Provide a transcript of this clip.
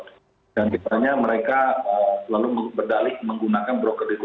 dan misalnya mereka selalu berdalih menggunakan beroperasi robot